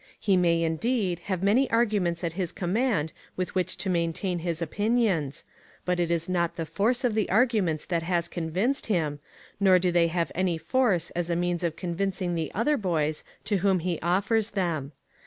He may, indeed, have many arguments at his command with which to maintain his opinions, but it is not the force of the arguments that has convinced him, nor do they have any force as a means of convincing the other boys to whom he offers them.